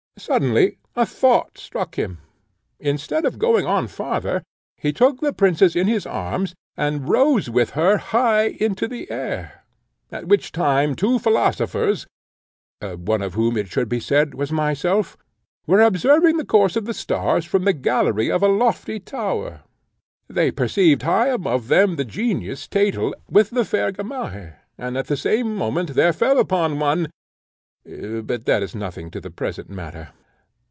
Suddenly a thought struck him. Instead of going on farther, he took the princess in his arms, and rose with her high into the air; at which time two philosophers, one of whom it should be said was myself, were observing the course of the stars from the gallery of a lofty tower. They perceived high above them the genius, Thetel, with the fair Gamaheh, and at the same moment there fell upon one, but that is nothing to the present matter.